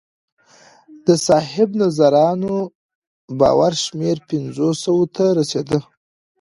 د صاحب نظرانو باور شمېر پنځو سوو ته رسېده